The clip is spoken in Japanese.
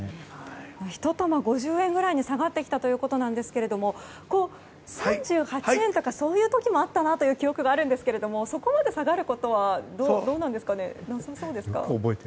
１玉５０円ぐらいに下がってきたそうですが３８円とかそういう時もあったなという記憶もあるんですがそこまで下がることはなさそうですかね？